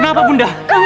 jangan bunuh aku